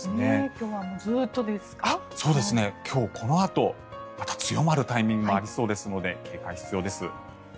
今日このあとまた強まるタイミングもありそうですので警戒が必要です。